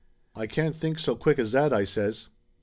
"I can't think so quick as that!" I says.